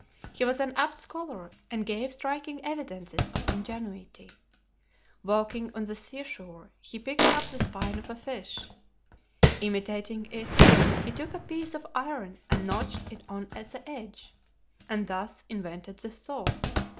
He was an apt scholar and gave striking evidences of ingenuity. Walking on the seashore he picked up the spine of a fish. Imitating it, he took a piece of iron and notched it on the edge, and thus invented the SAW.